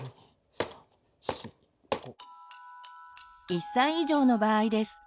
１歳以上の場合です。